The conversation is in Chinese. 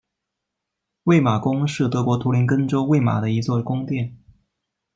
魏玛宫是德国图林根州魏玛的一座宫殿。